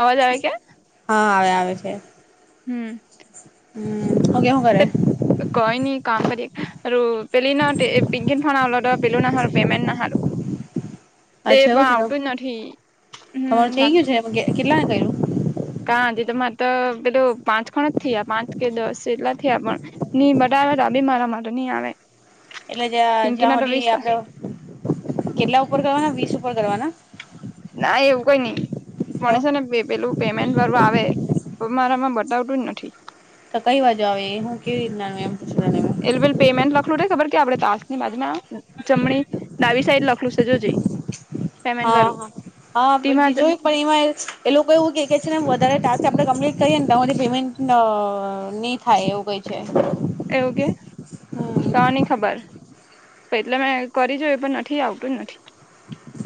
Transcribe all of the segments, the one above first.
અવાજ આવે કે હા આવે આવે છે હમ હમ ઓકે શું તે કરે કોઈ ની કામ કરીએ પેલુ પેલી ના તે એ પિન્કી નો ફોન આવેલો તો પેલુના હારુ પેમેન્ટ ના હારુ તે અચ્છા પણ એવું છે તો આવતું જ નથી હમ તમારું બા થઈ ગયું છે કેટલા કર્યું. કાજ તમારે તો પેલું પાંચ ખણ જ થયા પાંચ કે દસ એટલા થયા પણ નહી બધા ત બી મારા માટે નહી આવે. એટલે જ્યાં પિંકી જ્યાં ના તો વીસ સુધી આપડે કેટલા ઉપર કરવાના વીસ ઉપર કરવાના. ના એવું કઈ નઈ તો પણ છે ને પેલું પેમેન્ટ વાળું આવે તો મારામાં બતાવતું જ નથી. ત કઈ બાજુ કેવી રીતના આવે એમ. પૂછ એલેબેલ પેમેન્ટ લખલું રે ખબર કે આપડણે તાસ ની બાજુમાં જમણી ડાબી સાઈડ લખલું છે જો જે. હા હા હા તેમાં જ જોયુ પણ એમાં એ લોકો એવું કે કે વધારે ટાસ્ક આપડે કમ્પ્લીટ કરીએ ને તો હુધી પેમેન્ટ નહી થાય એવું કઈ છે. એવું કે તો ની ખબર એટલે મેં કરી જો પણ નથી આવતું જ નથી.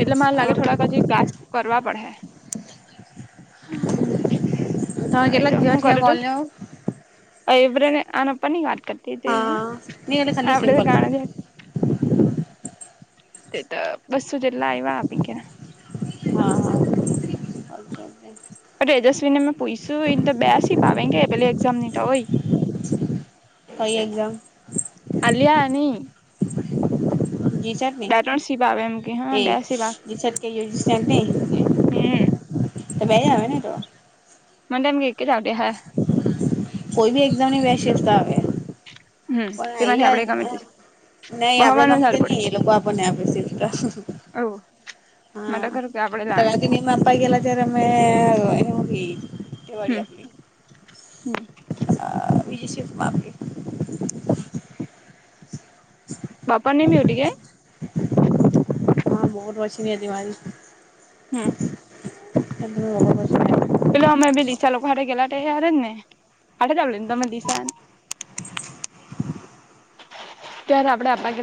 એટલે મને લાગે થોડાક હજી ક્લાસ કરવા પડે. તમે કેટલાક એટલે હું દિવસથી કરે કોલયો. આનપા ની વાત કરતી હતીને નહી એટલે ખાલી આપડે તો સિમ્પલ ગણ્યા. તે તો બસું જેટલા આવ્યા આપી કે. અચ્છા. એજસ્વી ને મેં પૂછશું એ તો બેસીપાવ કે પેલી એક્ઝામ ની તો હોય. કઈ એક્ઝામ અલિયાની. જીસાટ સીપ આવે એમ કે હા બે સીપ ને આવે હમ [unintelligible] તો બેયઆવેને તો મને તો એમ કે એક જ આવતી હે કોઈ બી એકદમની વસીતા આવે હમ તેમાંથી આપડે ગમે તે [unintelligible] નહી આપડે ભણવાનું ગમે તે સારું પડે નહી એ લોકો આપણને આપે છે એવું મેં તો કરું કે આપડે લાણી [unintelligible] તેવાળી હમ આપની આ [unintelligible] બાપાનેમ એવડી એ હા [unintelligible] વોશની એ દિવારી હમ્મ [unintelligible] અમે બી દિશા લોકો [unintelligible] ત્યારે આપડે આપમાં